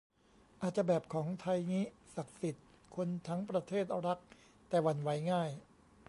อาจจะแบบของไทยงี้ ศักดิ์สิทธิ์ คนทั้งประเทศรัก แต่หวั่นไหวง่าย